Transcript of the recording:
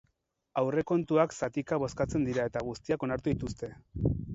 Aurrekontuak zatika bozkatzen dira eta guztiak onartu dituzte.